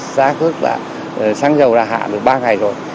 giá cước xăng dầu là hạ được ba ngày rồi